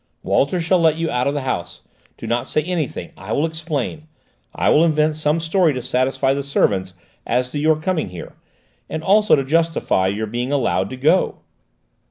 "Walter shall let you out of the house. Do not say anything: I will explain; I will invent some story to satisfy the servants as to your coming here, and also to justify your being allowed to go."